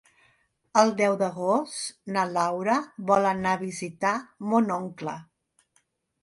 El deu d'agost na Laura vol anar a visitar mon oncle.